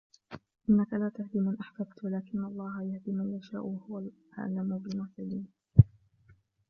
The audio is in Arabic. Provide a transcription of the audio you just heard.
إنك لا تهدي من أحببت ولكن الله يهدي من يشاء وهو أعلم بالمهتدين